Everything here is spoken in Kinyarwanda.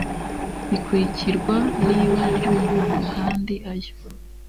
Rikurikirwa n’ibara ry’umuhondo, kandi ayo